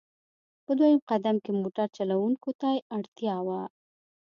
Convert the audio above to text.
په دویم قدم کې موټر چلوونکو ته اړتیا وه.